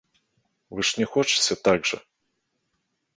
Вы ж не хочаце так жа?